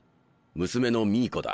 娘のミイコだ。